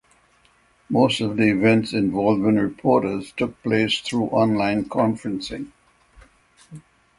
Most of the events involving reporters took place through online conferencing.